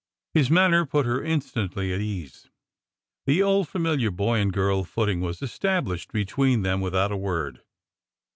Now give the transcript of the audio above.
His manner put her instantly at ease. The old familiar boy and girl footing was established between them with out a word.